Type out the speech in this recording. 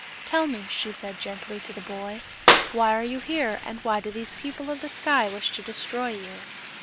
"Tell me," she said gently to the boy, "why are you here, and why do these people of the sky wish to destroy you?"